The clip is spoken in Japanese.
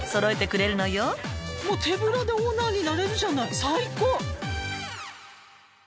「もう手ぶらでオーナーになれるじゃない最高」